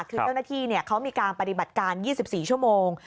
คือเจ้าหน้าที่เขามีการปฏิบัติการ๒๔ชั่วโมง